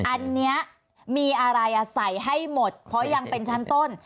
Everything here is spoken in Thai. อันนี้มีอะไรใส่ให้หมดเพราะยังเป็นชั้นต้น